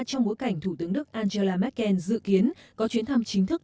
trong bối cảnh thủ tướng đức angela merkel dự kiến có chuyến thăm chính thức